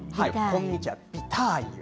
こんにちは、ヴィターユ。